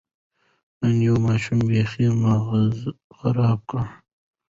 نن یو ماشوم بېخي ماغزه خراب کړ.